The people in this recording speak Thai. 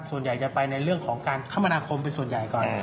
ส่วนใหญ่จะไปในเรื่องของการคมนาคมเป็นส่วนใหญ่ก่อน